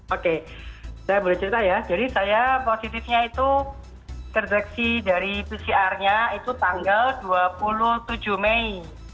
oke saya boleh cerita ya jadi saya positifnya itu terdeteksi dari pcr nya itu tanggal dua puluh tujuh mei